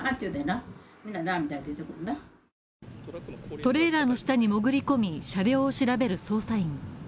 トレーラーの下に潜り込み、車両を調べる捜査員。